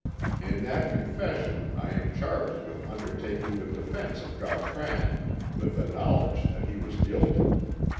In that confession I am charged with undertaking the defence of Gautran with the knowledge that he was guilty.